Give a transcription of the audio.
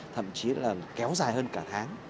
thậm chí là kéo dài hơn cả tháng